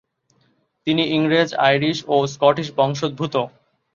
তিনি ইংরেজ, আইরিশ ও স্কটিশ বংশোদ্ভূত।